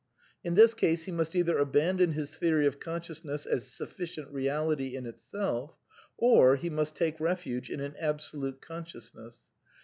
In this case he must either abandon his theory /| of consciousness as suflScient reality in itself, o^, he must take refuge in an Absolute Consciousness.